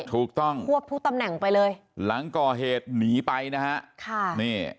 ถูกต้องควบทุกตำแหน่งไปเลยหลังก่อเหตุหนีไปนะฮะค่ะนี่